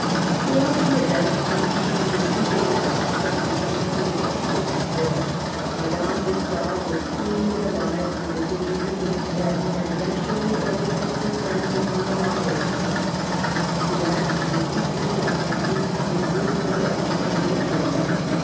Throughout the events preceding the coup d'£tat of the 1 8th Fructidor, Madame de Stael was keenly alive to the danger which threatened and eventually overtook her friends among the Mbderates. To act, in these circumstances, was with her a second nature.